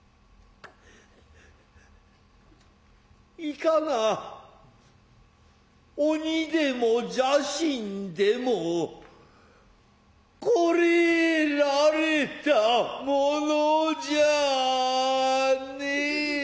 いかな鬼でも蛇身でもこらえられたものじゃねえ。